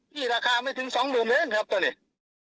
มีค่าไม่ถึง๒๐๐๐๐เหมือนครับตอนนี้